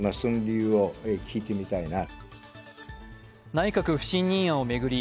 内閣不信任案を巡り